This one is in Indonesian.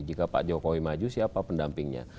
jika pak jokowi maju siapa pendampingnya